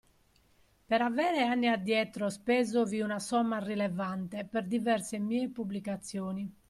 Per avere anni addietro spesovi una somma rilevante per diverse mie pubblicazioni